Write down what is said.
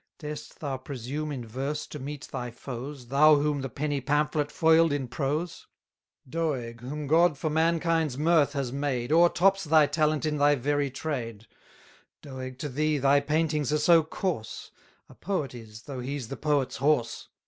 Dar'st thou presume in verse to meet thy foes, 490 Thou whom the penny pamphlet foil'd in prose? Doeg, whom God for mankind's mirth has made, O'ertops thy talent in thy very trade; Doeg to thee, thy paintings are so coarse, A poet is, though he's the poet's horse.